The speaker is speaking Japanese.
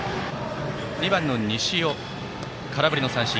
２番の西尾も空振り三振。